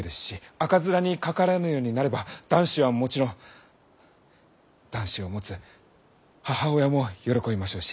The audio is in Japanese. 赤面にかからぬようになれば男子はもちろん男子を持つ母親も喜びましょうし。